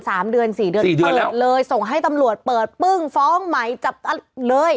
สามเดือนสี่เดือนเปิดเลยส่งให้ตำรวจเปิดปึ้งฟ้องไหมจับเลย